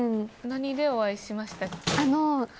何でお会いしましたっけ？